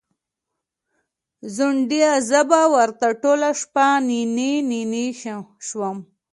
ځونډیه! زه به ورته ټوله شپه نینې نینې شوم